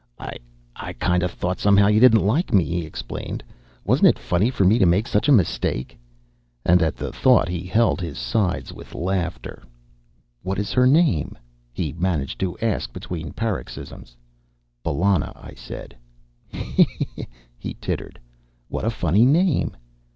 "I—I kind of thought, somehow, you didn't like me," he explained. "Wasn't it funny for me to make such a mistake?" And at the thought he held his sides with laughter. "What is her name?" he managed to ask between paroxysms. "Bellona," I said. "He! he!" he tittered. "What a funny name."